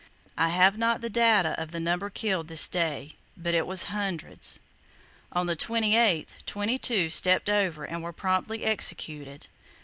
I have not the data of the number killed this day, but it was hundreds. On the 28th, twenty two stepped over and were promptly executed.